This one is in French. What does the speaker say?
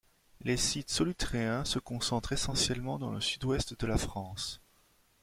Les sites solutréens se concentrent essentiellement dans le sud-ouest de la France.